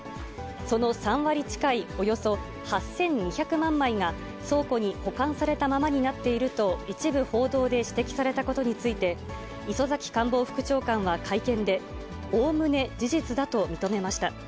その３割近いおよそ８２００万枚が倉庫に保管されたままになっていると一部報道で指摘されたことについて、磯崎官房副長官は会見で、おおむね事実だと認めました。